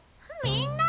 みんな！